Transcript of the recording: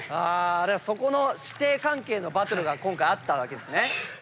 そこの師弟関係のバトルが今回あったわけですね。